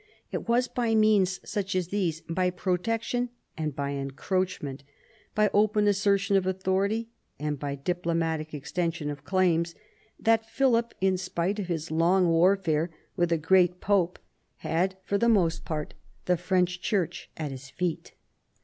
It was by means such as these, by protection and by encroachment, by open assertion of authority and by diplomatic exten sion of claims, that Philip, in spite of his long warfare with a great Pope, had for the most part the French 118 PHILIP AUGUSTUS chap. Church at his feet.